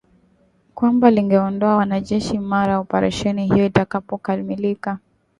kwamba lingeondoa wanajeshi mara operesheni hiyo itakapokamilika